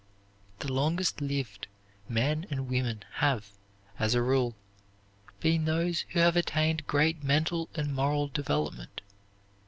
The longest lived men and women have, as a rule, been those who have attained great mental and moral development.